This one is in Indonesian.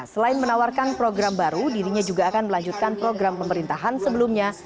selain menawarkan program baru dirinya juga akan melanjutkan program pemerintahan sebelumnya